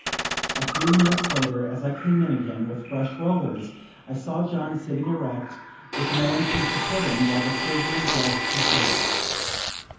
A few minutes later, as I came in again, with fresh rollers, I saw John sitting erect, with no one to support him, while the surgeon dressed his back.